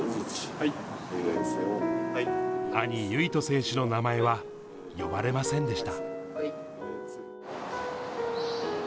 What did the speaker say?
兄、唯翔選手の名前は呼ばれませんでした。